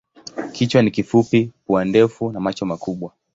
Kichwa ni kifupi, pua ndefu na macho makubwa.